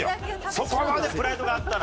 そこまでプライドがあったら。